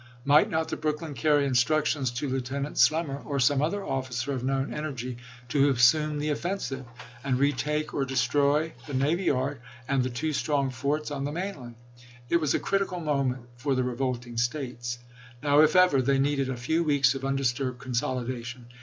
Might not gress(p.235. the Brooklyn carry instructions to Lieutenant Slemmer, or some other officer of known energy, to assume the offensive, and retake or destroy the navy yard and the two strong forts on the main land ? It was a critical moment for the revolting States. Now, if ever, they needed a few weeks of undisturbed consolidation.